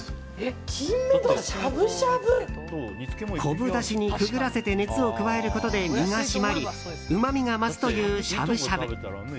昆布だしにくぐらせて熱を加えることで身が締まり、うまみが増すというしゃぶしゃぶ。